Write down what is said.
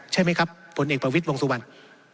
ใช่ไหมครับผลเอกประวิทย์วงสุวรรณ